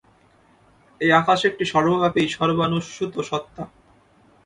এই আকাশ একটি সর্বব্যাপী সর্বানুস্যূত সত্তা।